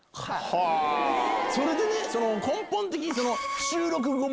それでね根本的に。